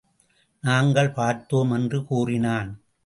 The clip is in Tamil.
நாங்கள் பார்த்தோம்! என்று கூறினான்.